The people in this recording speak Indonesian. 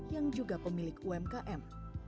yang juga pemilik umkm